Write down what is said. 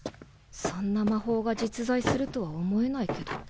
そんな魔法が実在するとは思えないけど。